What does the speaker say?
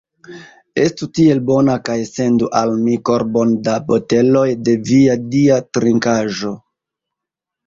Estu tiel bona kaj sendu al mi korbon da boteloj de via dia trinkaĵo.